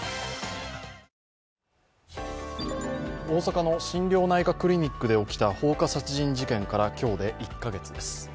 大阪の心療内科クリニックで起きた放火殺人事件から今日で１カ月です